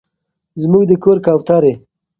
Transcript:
زموږ د کور کوترې